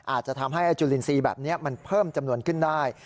อาจจะทำให้ไอ้จุลินทรีย์แบบนี้มันเพิ่มจำนวนขึ้นได้